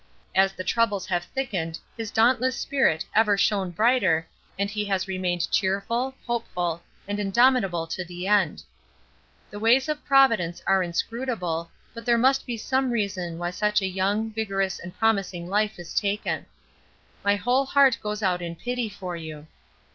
As the troubles have thickened his dauntless spirit ever shone brighter and he has remained cheerful, hopeful, and indomitable to the end. The ways of Providence are inscrutable, but there must be some reason why such a young, vigorous and promising life is taken. My whole heart goes out in pity for you.